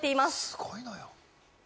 すごいのよ。